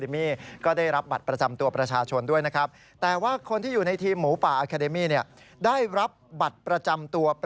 มี๔คนที่ไปติดธรรม